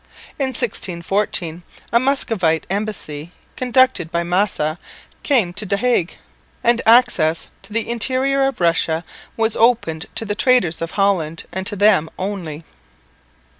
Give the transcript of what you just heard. In 1614 a Muscovite embassy conducted by Massa came to the Hague, and access to the interior of Russia was opened to the traders of Holland and to them only.